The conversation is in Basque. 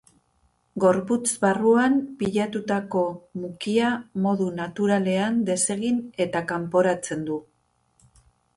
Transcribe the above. Gorputz barruan pilatutako mukia modu naturalean desegin eta kanporatzen du.